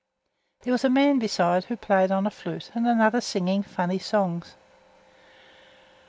There was a man, besides, who played on a flute, and another singing funny songs.